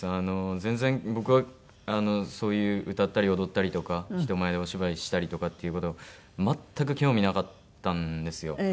全然僕はそういう歌ったり踊ったりとか人前でお芝居したりとかっていう事全く興味なかったんですよ。